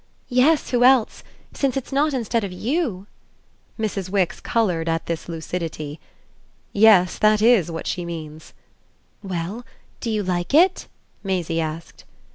"Yes; who else? since it's not instead of you." Mrs. Wix coloured at this lucidity. "Yes, that IS what she means." "Well, do you like it?" Maisie asked.